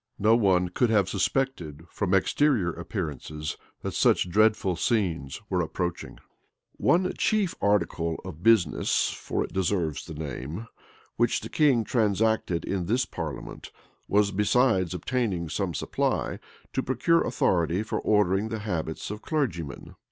No one could have suspected, from exterior appearances, that such dreadful scenes were approaching. One chief article of business, (for it deserves the name,) which the king transacted in this parliament, was, besides obtaining some supply, to procure authority for ordering the habits of clergymen.